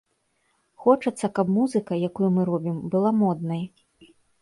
Хочацца, каб музыка, якую мы робім, была моднай.